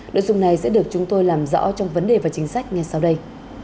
đội dụng này sẽ được chúng tôi làm rõ trong vấn đề và chính sách ngay sau đây